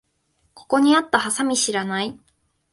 ここにあったハサミ知らない？